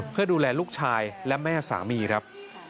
เพื่อดูแลลูกชายและแม่สามีครับ